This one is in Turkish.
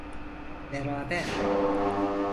Beraber